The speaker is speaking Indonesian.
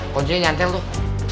kondisinya nyantel tuh